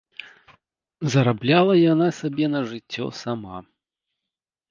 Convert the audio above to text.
Зарабляла яна сабе на жыццё сама.